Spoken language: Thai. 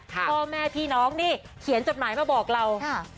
พ่อแม่พี่น้องนี่เขียนจดหมายมาบอกเรา